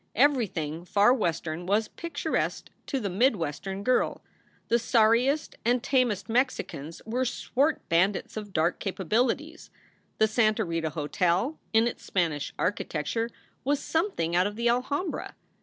Everything far Western was picturesque to the mid Western girl ; the sorriest and tamest Mexicans were swart bandits of dark capabilities; the Santa Rita Hotel in its Spanish architecture was something out of the Alhambra.